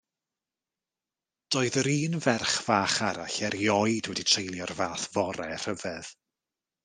Doedd yr un ferch fach arall erioed wedi treulio'r fath fore rhyfedd.